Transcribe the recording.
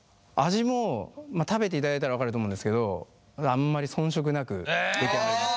味も食べていただいたら分かると思うんですけどあんまり遜色なく出来上がります。